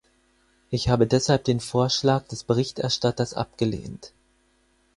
Ich habe deshalb den Vorschlag des Berichterstatters abgelehnt.